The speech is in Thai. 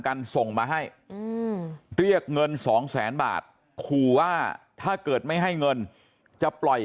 กันส่งมาให้เรียกเงินสองแสนบาทขู่ว่าถ้าเกิดไม่ให้เงินจะปล่อย